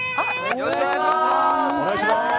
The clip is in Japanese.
よろしくお願いします。